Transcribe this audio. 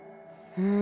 うん。